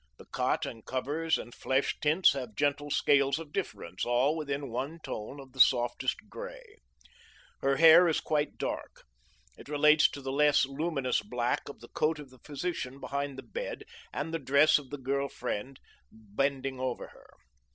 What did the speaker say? The cot and covers and flesh tints have gentle scales of difference, all within one tone of the softest gray. Her hair is quite dark. It relates to the less luminous black of the coat of the physician behind the bed and the dress of the girl friend bending over her.